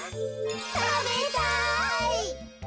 たべたい。